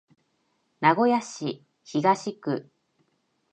名古屋市東区